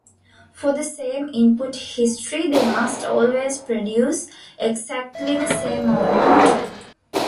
For the same input history they must always produce exactly the same output.